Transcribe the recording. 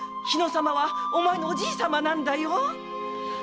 日野様はお前のおじいさまなんだよ。